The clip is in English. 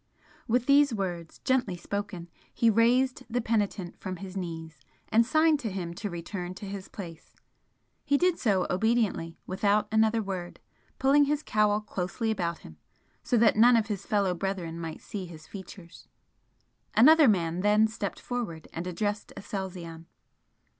With these words, gently spoken, he raised the penitent from his knees, and signed to him to return to his place. He did so obediently, without another word, pulling his cowl closely about him so that none of his fellow brethren might see his features. Another man then stepped forward and addressed Aselzion.